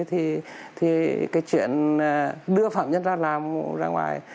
thì cái chuyện đưa phạm nhân ra làm ra ngoài